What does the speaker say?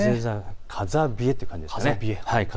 風冷えということですね。